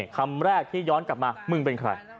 คำแรกที่ย้อนกลับมามึงเป็นใคร